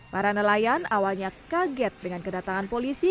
para nelayan awalnya kaget dengan kedatangan polisi